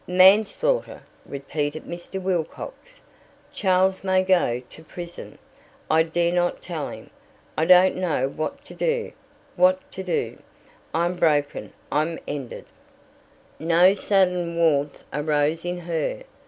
"Manslaughter," repeated Mr. Wilcox. "Charles may go to prison. I dare not tell him. I don't know what to do what to do. I'm broken I'm ended. " No sudden warmth arose in her.